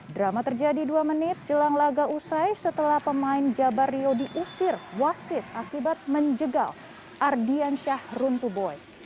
drama terjadi dua menit jelang laga usai setelah pemain jabar rio diusir wasit akibat menjegal ardian syahruntuboi